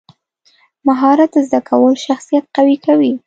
مهارت زده کول شخصیت قوي کوي.